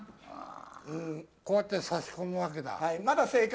こうやって挿し込むわけだ。